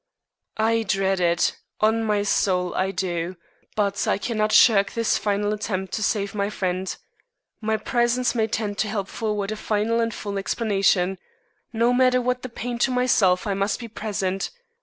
"I dread it on my soul I do. But I cannot shirk this final attempt to save my friend. My presence may tend to help forward a final and full explanation. No matter what the pain to myself, I must be present.